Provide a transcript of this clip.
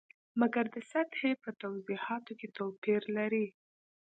مګر د سطحې په توضیحاتو کې توپیر لري.